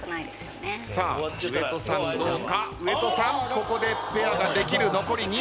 ここでペアができる残り２枚。